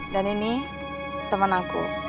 dan ini teman aku